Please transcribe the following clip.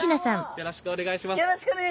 よろしくお願いします。